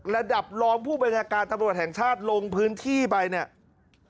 ระดับรองผู้บัญชาการตำรวจแห่งชาติลงพื้นที่ไปเนี่ย